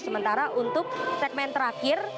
sementara untuk segmen terakhir